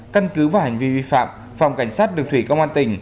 căn cứ vào hành vi vi phạm phòng cảnh sát đường thủy công an tỉnh